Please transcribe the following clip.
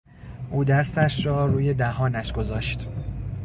او دستش را روی دهانش گذاشت.